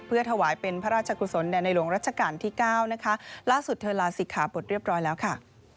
เพื่อถวายเป็นพระราชกุศลแด่ในหลวงรัชกาลที่เก้านะคะล่าสุดเธอลาศิกขาบทเรียบร้อยแล้วค่ะ